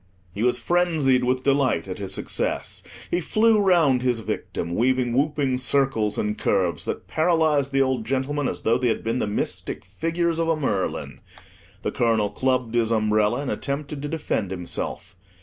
He was frenzied with delight at his success. He flew round his victim, weaving whooping circles and curves that paralyzed the old gentleman as though they had been the mystic figures of a Merlin. The colonel clubbed his umbrella, and attempted to defend himself.